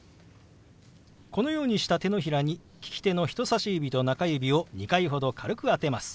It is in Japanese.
このようにした手のひらに利き手の人さし指と中指を２回ほど軽く当てます。